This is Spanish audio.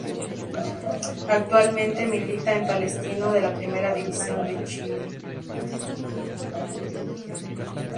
Actualmente milita en Palestino de la Primera División de Chile.